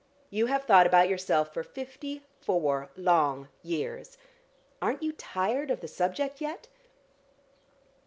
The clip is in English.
You have thought about yourself for fifty four long years. Aren't you tired of the subject yet?"